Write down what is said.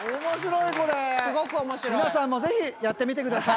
皆さんもぜひやってみてください。